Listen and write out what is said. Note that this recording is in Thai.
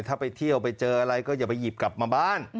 ถ้าไปเที่ยวไปเจออะไรก็อย่าไปหยิบกลับมาบ้าน